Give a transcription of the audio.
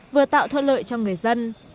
vừa tạo thợ lợi cho người dân